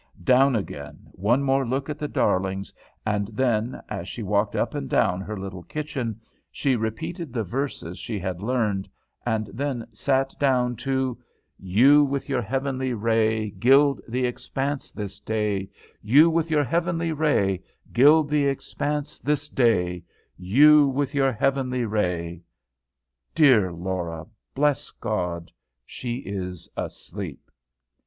Down again, one more look at the darlings, and then, as she walked up and down her little kitchen, she repeated the verses she had learned, and then sat down to "You with your heavenly ray Gild the expanse this day; "You with your heavenly ray Gild the expanse this day; "You with your heavenly ray" Dear Laura, bless God, she is asleep.